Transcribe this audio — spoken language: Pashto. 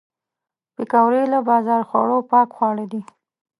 پکورې له بازار خوړو پاک خواړه دي